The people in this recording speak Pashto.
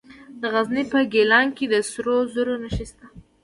د غزني په ګیلان کې د سرو زرو نښې شته.